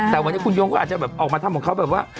แต่วันนี้คุณโยงก็อาจจะแบบออกมาทำของเขาแบบว่า